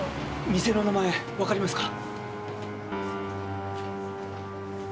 店の名前わかりますか？